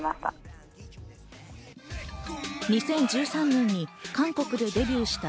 ２０１３年に韓国でデビューしたＢＴＳ。